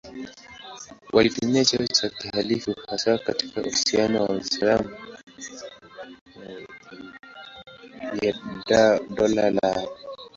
Walitumia cheo cha khalifa hasa katika uhusiano na Waislamu nje ya dola lao.